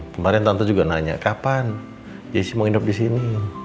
kemarin tante juga nanya kapan jessi mau hidup di sini